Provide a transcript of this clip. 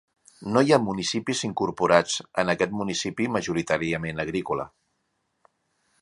No hi ha municipis incorporats en aquest municipi majoritàriament agrícola.